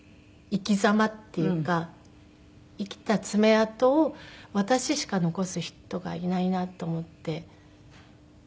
生きざまっていうか生きた爪痕を私しか残す人がいないなと思って。